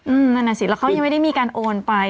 อืมนั่นแหละสิเขายังไม่ได้มีการโอนไป